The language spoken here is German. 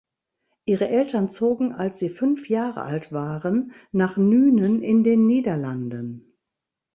Ihre Eltern zogen als sie fünf Jahre alt waren nach Nuenen in den Niederlanden.